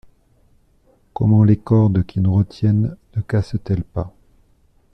Comment les cordes qui nous retiennent ne cassent-elles pas ?